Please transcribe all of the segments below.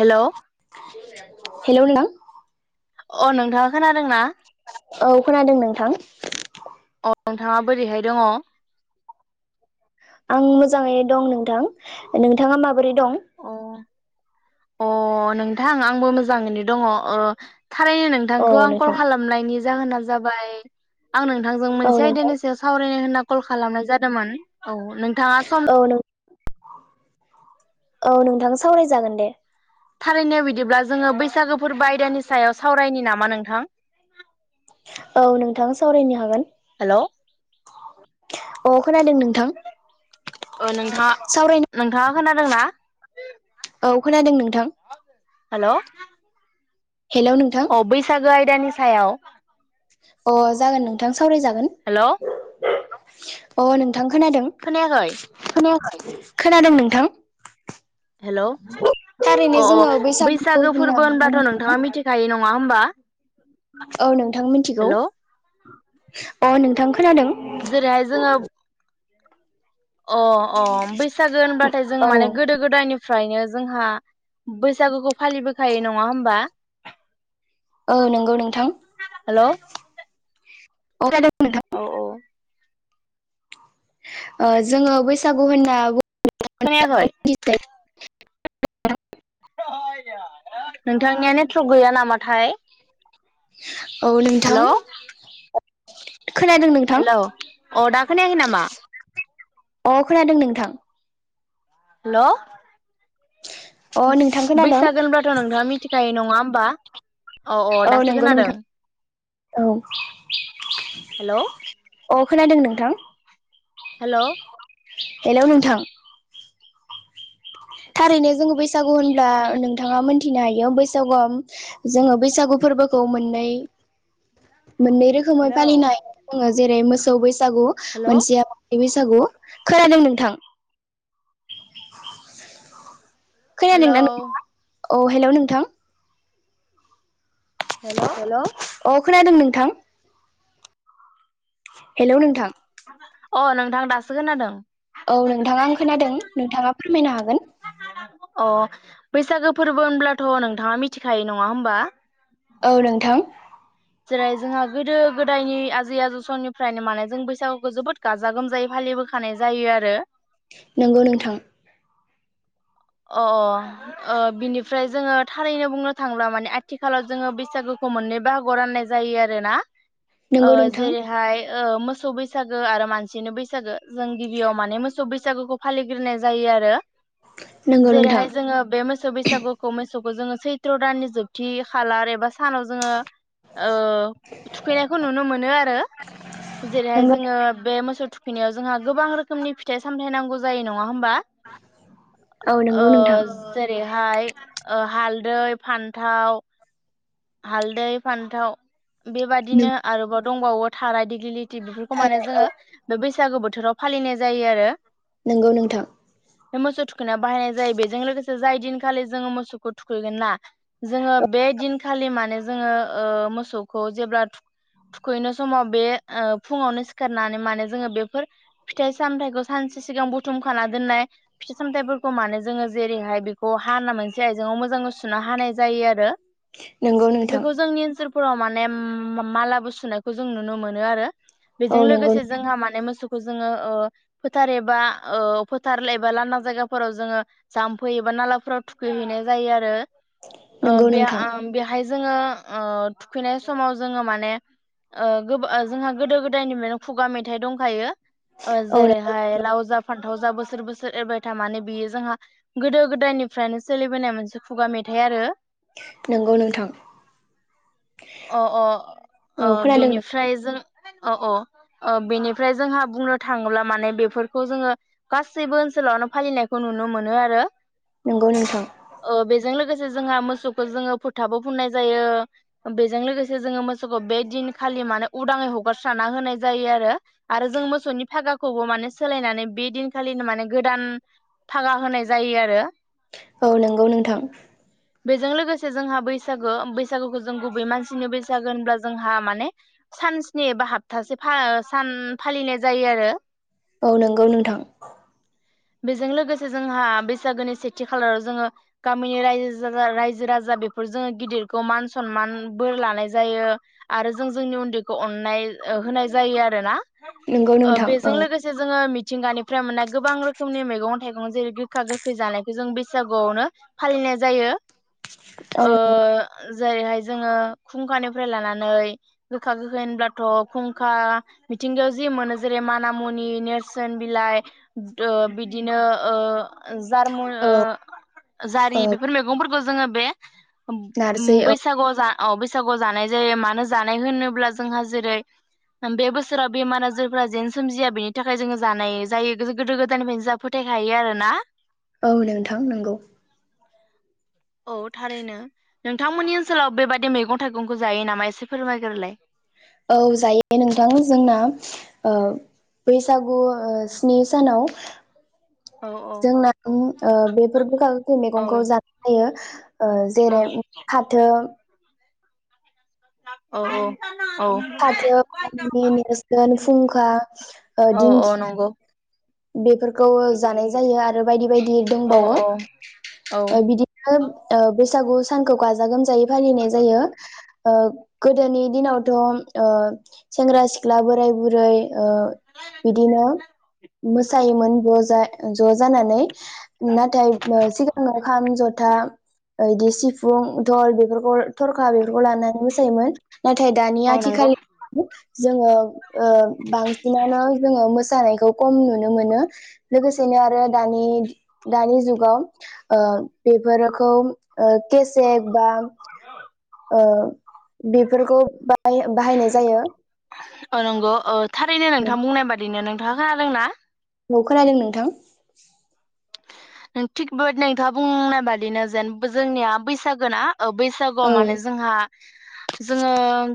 Hello hello नोंथां। अ' नोंथाङा खोनादों ना? औ खोनादों नोंथां। नोंथाङा बोरैहाय दङ? आं मोजाङै दं नोंथां। नोंथाङा माबोरै दं। अ' नोंथां आंबो मोजाङैनो दङ। ओ थारैनो औ नोंथांखौ आं कल नोंथां खालामनायनि जाहोना जाबाय आं नोंथांजों औ मोनसे नोंथां आयदानि सायाव सावरायनो होनना कल खालामनाय जादोमोन। औ नोंथाङा सम औ नों औ नोंथां सावरायजागोन दे। थारैनो बिदिब्ला जोङो बैसागो फोरबो आयदानि सायाव सावरायनि नामा नोंथां? औ नोंथां सावरायनो हागोन। हेलौ अ खोनादों नोंथां। ओ नोंथाङा, सावरायनो नोंथाङा खोनादोंना? औ खोनादों नोंथां। हेल' हेलौ नोंथां अ बैसागो आय दानि सायाव अ जागोन नोंथां। सावरायजागोन। हेलौ अ नों थां खोनादों खोनायाखै खोनायाखै खोनादों नोंथां। हेल थारैनो अ जोङो अ बैसागुखौ बैसागो होनना फोरबो होनबाथ नोंथाङा मिथिखायो नङा नङा होमबा? औ नों नोंथां मिथिगौ हेलौ अ नोंथां। खोनादों जेरैहाय जोङो अ अ बैसागो होनबाथाय जोंङो औ माने गोदो गोदायनिफ्रायनो जोंहा बैसागुखौ फालिबोखायो नङा होमबा औ नंगौ नोंथां हेलौ [unintelligible] औ औ। ओ जोङो बैसागु होनना बु खोनायाखै? [unintelligible] नोंथांनिया नेट्र गैया नामाथाय औ नोंथां हेलौ खोनादों नोंथां हेलौ अ दा खोनायाखै नामा अ खोनादों नोंथां हेल' अ नोंथां खोनादों बैसागोन होनब्लाथ' नोंथाङा मिथिखायो नङा बा औ नंगौ नोंथां औ हेलौ औ। खोनादों नोंथां? हेलौ हेलौ नोंथां। थारैनो जोङो बैसागु होनब्ला नोंथां नोंथाङा मोनथिनो हायो बैसागुआव जोङो बैसागु फोरबोखौ मोननै मोननै रोखोमै हेलौ फालिनाय दङो जेरै मोस सोबास सागु हेलौ मोनसेया [unintelligible] सागु खोनादों नोंथां। हेलोव अ हेलौ नोंथां। हेलौ, अख खोनादों नोंथां हेलौ नोंथां। अ नोंथां दासो खोनादों औ नोंथाङा आं खोनादों नोंथाङा फोरमायनो हागोन अ बैसागो फोरबो होनब्लाथ नोंथाङा मिथिखायो नङा होमबा औ नोंथां जेरै जोंहा गोदो गोदायनि आजै आजौ समनिफ्रायनो माने जों बैसागुखौ जोबोद गाजा गोमजायै फालिबोखानाय जायो आरो नंगौ नोंथां। अ अ बिनिफ्राय जोङो थारैनो बुंनो थांब्ला माने आथिखालाव जोङो बैसागोखौ मोननै बाहागोआव राननाय जायो आरोना नंगौ नोंथां जेरैहाय ओ मोसौ बैसागो आरो मानसिनि बैसागो जों गिबियाव माने मोसौ बैसागोखौ फालिग्रोनाय जायो आरो नंगौ नोंथां जेरैहाय जोङो बे मोसौ बैसागुखौ मोसौखौ जोङो। सैत्र दाननि जोबथि खालार एबा सानाव जोङो थुखैनायखौ नुनो मोनो आरो जेरैहाय नंगौ जोङो बे मोसौ थुखै फैनायाव जोंहा गोबां रोखोमनि फिथाइ सामथाय नांगौ जायो नङा होमबा। [unintelligible] ओ नोंथां जेरैहाय ओ हालदै फानथाव हालदै फान्थाव नों बेबादिनो आरोबाव दंबावो थारा दिग्लि बेफोरखौ माने थारै औ जोङो बे बैसागो बोथोर बोथोराव फालिनाय जायो आरो नंगौ नोंथां मोसै थुख थुखैना बाहायनाय जायो बेजों लोगोसे जाय दिनखालि जोङो मोसौखौ थुखैगोन ना जोङो बे दिनखालि माने जोङो ओ मोसौखौ जेब्ला थुखैनाय समाव बे ओ फुङावनो सिखारनानै माने जोङो बेफोर फिथाइ सामथायाइखौ सानसे सिगां बुथुमखाना दोननाय फिथाय सामथाइफोरखौ मानो जोङो जेरैहाय बेखौ हाना मोनसे आयजेंआव मोजाङै सुना हानाय जायो आरो। नंगौ नोंथां बेखौ जोंनि ओनसोल फोराव माने मालाबो सुनायखौ जों नुनो मोनो आरो। औ बेजों नंगौ लोगोसे जोंहा माने मोसौ जोङो ओ फोथार एबा ओ फोथार एबा लांदां जायगाफोराव जोङो जाम्फै एबा नालाफोराव थुखैहैनाय जायो आरो नंगौ ओम बेहाय नोंथां आं बेहाय जोङो थुखैनाय समाव जोङो माने गोबां जोंहा गोदो गोदायनिफ्रायनो खुगा मेथाइ दंखायो औ जेरैहाय लावजा फ थावजा बोसोर बोसोर एरबाय था माने बियो जोंहा गोदो गोदायनिफ्रायनो सोलिबोनाय मोनसे खुगा मेथाइ आरो नोंगौ नोंथां। अ अ अ औ खोनादों नोंथां बेनिफ्राय जों औ औ ओह बेनिफ्राय जोंहा बुंनोथाङोब्ला माने बेफोरखौजोङो गासैबो ओनसोलावनो फालिनायखौ नुनोमोनो आरो। नंगौ नोंथां। जोंलोगोसे जोंहा मोसौखौ जोंङो फोथाबो फुननाय जायो। बेजोंलोगोसे जोङो मोसौफो बे दिनखालि मानो उदाङै हगारस्रानाहोनाय जायो आरो। आरो जों मोसौनि फागा खौबो माने सोलायनानै बे दिनखालिनो माने गोदान थाखा होनाय जायो आरो औ नोगौ नोंथां। बेजोंलोगोसे जोंहा बैसागो बैसागुखौज जों गुबै मानसिनि बैसागो होनब्ला जोंहा माने सानस्नि एबा हप्तासे फा सान फालिनाय जायोआरो। औ नोंगौ नोंथां। बेजों लोगोसे जोंहा बैसागोनि सेथि खालाराव जोङो गामिनि रायजो रायजोराजा बेफोरजोङो गिदिरखौ मानस सनमान बोरलानाय जायो आरो जों जोंनि उन्दैखौ अननाय ओ होनाय जायो आरोना? नंगौ ओह नोंथां औ बेजोंलोगोसेजोङो मिथ मिथिंगानिफ्राय मोनाय गोबांरोखोमनि मैगं थाइगं जेरै गोखा गोखै जानायखोजों बैसागुआवनो फालिनायजायो। औ ओ जेरैहाय जोङो खुंखानिफ्रायलानानै गोखा गोखै होनब्लाथ खुंखा मिथिंगायाव जि मोनो जेरै मानामुनि नेरसोनबिलाइ ओ बिदिनो ओ जारमय औ ओह जारि बेफोर मैगंफोर [unintelligible] जोङो बे नारज। [unintelligible] बा अ बैसागोआव जानायजायो मानोजानायहोनोब्ला जोंहा जेरै बे बोसोराव बेमार आजारफोराजेन सोमजिया बेनिथाखाय जोंङो जानायजायो गोजोगोदायनिफ्रयनो जाहा फोथायखायो आरोना। औ नोंथां नोगौ। औ थारैनो नोंथांमोननि ओनसोलाव बेबादि मैगं थाइगंखो जायोनामा एसे फोरमायग्रोलाय। औ जायो नोंथां जोंना ओह बैसागु ओह स्निसानाव औ जोंना उम ओह बेफोर गोखा गोखै औ मैगंखौ जाबायथायो। ओ जेरै उम फाथो औ औ। फाथो [unintelligible] फुंखा ओ औ औ दिंखिया। नंगौ बेफोर [unintelligible] जानाय जायो आरो बायदि बायदि औ दंबावो औ ओह औ बिदिनो। ओह बैसागु सानखौ गाजा गोमजायै। फालिनायजायो। ओह गोदोनि दिनावथ ओह सेंग्रा सिख्ला बोराय बुरै ओह बिदिनो ओह ज जानानै नाथाय ओह सिगाङाव खाम जथा। औ दि सिफुं दल बेफोरखौ थरखा बेफोरखौ लानानै मोसायोमोन नाथायाय दानि आथि नंगौ खालि जोङो बांसिनानो जोङो मोस थानायखौ खम नुनो मोनो लोगोसेनो आरो दानि-दानि जुगाव ओ बेफोरखौ ओ केसे बा ओ बेफोरखौ बाहाय बाहायनाय जायो‌। अं नंगौ। थारैनो नोंथां बुंनाय बादिनो नों [unintelligible] खोनादों ना? औ खोनादों नोंथां। नों थिगबो नोंथाङा बुंनाय बादिनो जेन जोंनिया बैसागोना। बैसागुआव औ माने जोंहा जोङो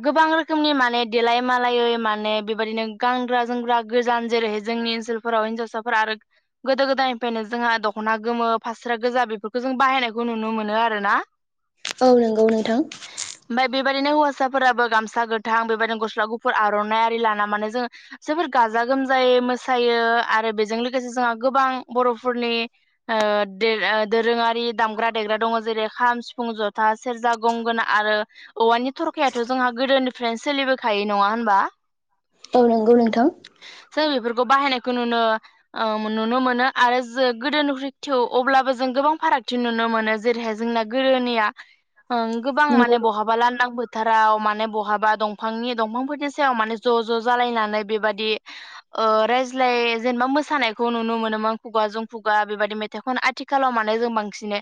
गोबां रोखोम रोखोमनि माने देलाय मालायै माने बेबायाददिनो गानग्रा जोमग्रा गोजान जेरैहाय जोंनि ओनसोलफोराव हिनजावसाफोरा आरो गोदो गोदायनिफ्रायनो जोंहा दख। खना गोमो फास्रा गोजा बेफोरखौ जों बाहायनायखौ नुनो मोनो आरो ना। औ नंगौ नोंथां। ओमफ्राय बेबायदिनो हौवासाफोराबो गामसा गोथां बेबायदिनो गस्ला गुफुर आरनाइ आरि लाना मे जों जोबोर गाजा गोमजायै मोसायो आरो बेजों लोगोसे जोंहा गोबां बरफोरनि आ दोर दामग्रा देग्रा दङ जेरै खाम सिफुं जथा सेरजा गंगोना आरो औवानि थरखायाथ जोंहा गोदोनिफ्रायनो सोलिबोखायो नङा होनबा औ नंगौ नोंथां जों बेफोरखौ बाहायनायखौ नुनो ओ नुनो मोनो आरो जों गोदोनिख थेउ अब्लाबो जों गोबां फारागथि नुनो मोनो जेरैहाय जोंना गोदोनिया ओ गोबां नंगौ माने बहाबा लाननांबो फोथाराव माने बहाबा दंफांनि दंफांफोरनि सायाव माने ज' ज'जालायनानै बेबाददि रायज्लाय जेनेबा मोसानायखौ नुनो मोनोमोन खुगाजों खुगा बेबदि मेथाइखौनो आथिखालाव माने जों बांसिन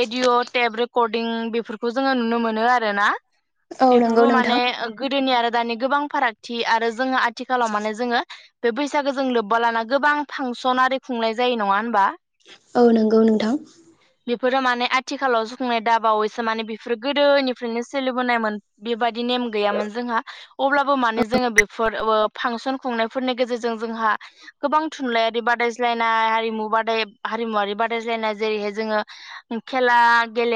रेडिअ टेब रेकर्डिं बेफोरखौ जोङो नुनो मोनो आर ना औ नंगौ बेफोरबो माने नोंथां गोदोनि आरो दानि गोबां फारागथि आरो जोङो आथिखालाव माने जोङो बे बैसागो जों लोब्बा लाना गोबां फांसन आरो खुंनाय जायो नङा हो औ नंगौ नोंथां बेफोरो माने आथिखालाव जुखुंनाय दाबावैसो माने बेफोरो गोदोनिफ्रायनो सोलिबोनायमोन बेबायादि नेम गैयामोन जोंहा अब्लाबो माने जोङो बेफोर ओ। फांसन खुंनायफोरनि गेजेरजों जोंहा गोबां थुनलाइयारि बादायज्लायनाय हारिमु बाद हम बनाय जेरै जो खेला गेल।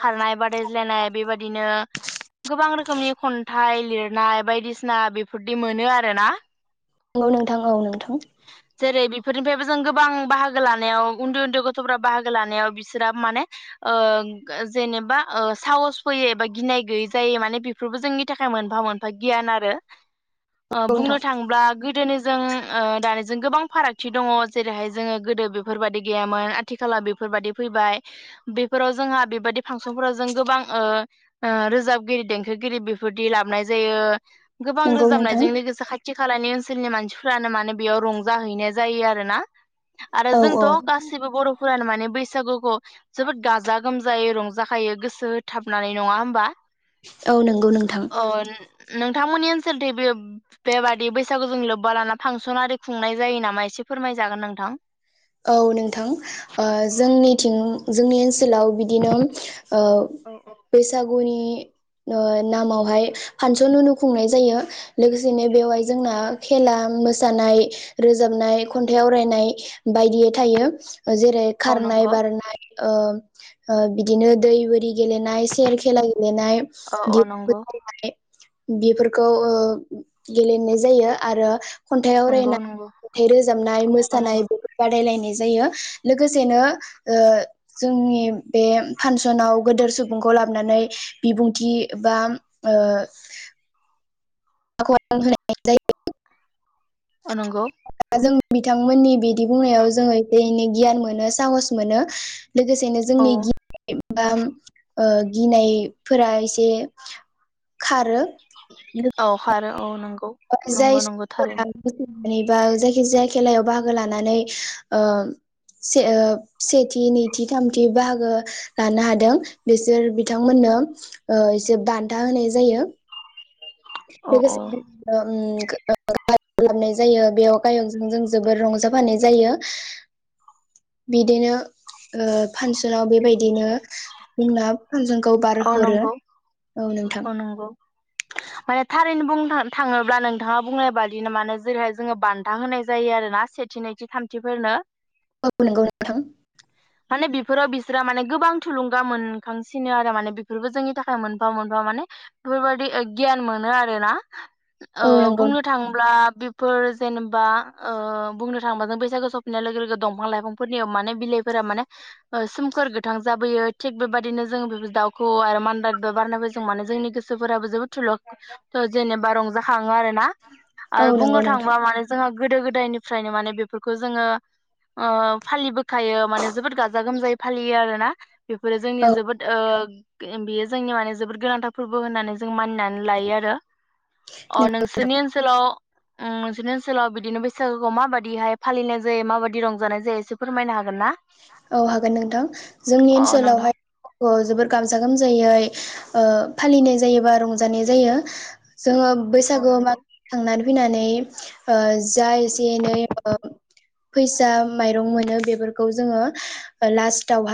खारनाय बादायलायनाय बेबायदिनो गोबां रो खोमनि खन्थाइ लिरनाय बायदिसिना बेफोरदि मोनो आरो ना। औ नोंथां औ नोंथां जेरै बेफोरनिफ्रायबो जों गोबां बाहागो बाहागो लानायाव उन्दै उन्दै गथफोरा बाहागो लानायाव बिसोराबो माने ओ गो जेनेबा ओ साहस फैयो एबा गिनाय गैयै जायो माने बेफोरबो जोंनि थाखाय मोनफा मोनफा गियान आरो ओ नोंथां बुंनो थाङोब्ला गोदोनि जों ओ दानि जों गोबां फारागथि दङ जेरैहाय जोङो गोदो बेफोरबादि गैयामोन आथिखाला बेफोरबायदि फैबाय बेफोराव जोंहा बेबायदि फांसनफोराव जों गोबां ओओ रोजाबगिरि देंखोगिरि बेफोरदि लाबनाय जायो। गोबां नंगौ नोंथां रोजाबनायजों लोगोसे खाथि खालानि ओन सोलनि मानसिफोरानो माने बेयाव रंजाहैनाय जायो आरोना आरो औ जोंथ औ गासिबो बरफोरानो माने बैसागुख जोबोद गाजा गोमजायै रंज जाखायो गोसो होथाबनानै नङा होमबा? औ नों अन नोंथांमोननि ओनसोलथि बे बेबादि बैसागु जों लोब्बा लाना फांसन आरि खुंनाय जायो नामा एसे फोरमायजागोन नोंथां । औ नोंथां ओ जोंनिथिं जोंनि ओनस सोलाव बिदिनो ओ औ औ बैसागुनि ओम नामावहाय फांसन होनो खुंनाय जायो लोगोसेनो बेवहाय जोंना खेला मोसानाय रोजाबनाय खन्थाइ आवरायनाय। बायदियै थायो। जेरै औ खारनाय नंगौ बारनाय ओ बिदिनो दै बोरि गेलेनाय सेर खेला गेलेनाय औ औ नंगौ [unintelligible] बेफोरखौ ओ गेलेनाय जायो आरो। खन्थाइ नंगौ आवरायनाय नंगौ खन्थाइ रोजाबनाय औ मोसानाय। नंगौ रायलायनाय जायो लोगोसेनो ओ जोंनि बे फानसनाव गोदोर सुबुंखौ लाबोनानै बिबुंथि बा ओ [unintelligible] अ नंगौ। जों बिथांमोननि बिदि बुंनायाव जोङो एसे एनै गियान मोनो साहस मोनो। लोगोसेनो औ जोंनि गि बा ओ गिनायफोरा एसे खारो। औ खारो औ नंगौ। नंगौ जायस नंगौ [unintelligible] थारैनो बोरैबा जायखि जाया खेलायाव बाहागो लानानै ओ से ओ सेथि नैथि थामथि बाहागो लानो हादों बिसोर बिथांमोननो ओ एसे बान्था होनाय जायो। औ औ लोगोसे ओ ओम [unintelligible] खालामनाय जायो। बेयाव गायकजों जोंजों। बोर रंजाबानो जायो बिदिनो ओ फानसनाव बेबायदिनो जोंनाब हजों गाव औ बारहरो नंगौ औ नोंथां। माने थारैनो बुंनो था थाङोब्ला नोंथाङा बुंनाय बादिनो माने जेरैहाय जोङो बान्था होनाय जायो आरोना सेथि नैथि थामथिफोरनो औ नोंगौ नोंथां। माने बेफोराव बिस्रा माने गोबां थुलुंगा मोनखांसिनो आ माने बेफोरबो जोंनि थाखाय मोनफा मोनफा माने बेफोरबायदि ओ गियान मोनो आरो ना। ओ औ नंगौ बुंनो थाङोब्ला बिब फोर जेनेबा ओ बुंनो थाङोबा जों बैसागो सफैनाय लोगो लोगो दंफां लाइफांफोरनियाव माने बिलाइफोरा माने ओ सोमखोर गोथां जाबोयो थिग बेबादिनो जों बेबाद दाउ खौऔ आरो मान्दार बिबार बारनाय जों माने जोंनि गोसोफोराबो जोबोद थुलग जेनेबा रंजाखा [unintelligible] औ आरो नंगौ बुंनो नोंथां थांबा माने जोंहा गोदो गोदायनिफ्रायनो माने बेफोरखौ जोङो ओ फालिबोखायो माने जोबोद गाजा गोमजायै फालियो आरोना बेफोरो जोंनि औ जोबोद ओ बे बेयो जोंनि माने जोबोद गोनांथार फोरबो होननानै जों मानिनानै लायो आरो अ नोंसिनि ओनसोलाव ओम नोंसोरनि ओनसोलाव बिदिनो बैसागुखौ माबायदिहाय फालिनाय जायो माबायदि रंजानाय जायो एसे फोरमायनो हागोन ना? औ हागोन नोंथां जोंनि अ नोंथां ओनसोलावहाय अ जोबोर गाजा गोमजायै ओ फालिनाय जायोबा रंजानाय जायो। जोङो औ बैसागोआव नंगौ मागि खांनानै फैनानै ओ जा एसे एनै ओ फैसा माइरं मोनो बेफोरखौ जोङो ओ लास्टआवहाय